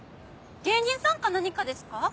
芸人さんか何かですか？